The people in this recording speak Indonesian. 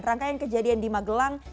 rangkaian kejadian di magelang